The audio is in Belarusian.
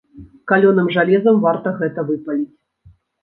Калёным жалезам варта гэта выпаліць.